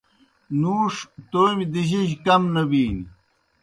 نُوݜ تومیْ دِجِجیْ کم نہ بِینیْ۔